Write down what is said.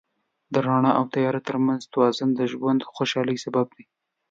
د رڼا او تیاره تر منځ توازن د ژوند د خوشحالۍ سبب دی.